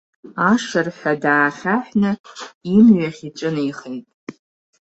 Ашырҳәа даахьаҳәны, имҩахь иҿынеихеит.